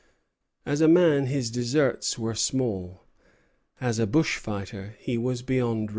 As a man his deserts were small; as a bushfighter he was beyond reproach.